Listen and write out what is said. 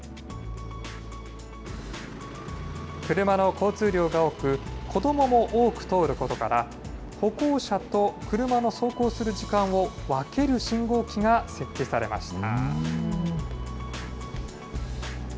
車の交通量が多く、子どもも多く通ることから、歩行者と車の走行する時間を分ける信号機が設置されました。